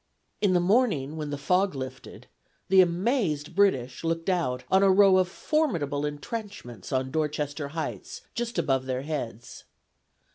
In the morning, when the fog lifted, the amazed British looked out on a row of formidable entrenchments on Dorchester Heights, just above their heads.